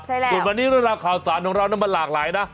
ใช่แล้วส่วนวันนี้เรื่องราวข่าวสารของเรามันหลากหลายนะ